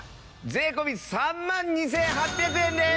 税込３万２８００円です！